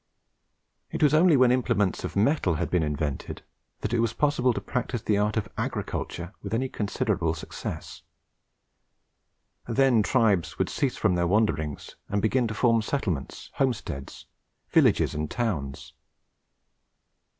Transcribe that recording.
It was only when implements of metal had been invented that it was possible to practise the art of agriculture with any considerable success. Then tribes would cease from their wanderings, and begin to form settlements, homesteads, villages, and towns.